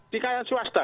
di tangan swasta